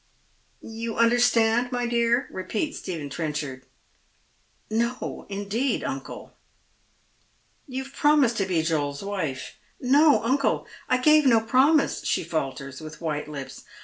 " You understand, my dear ?" repeat/j Gtephen Trenchard. " No, indeed, uncle." •* You have promised to be Joel's wife "" No, uncle, I gave no promise," she falters, with white lips.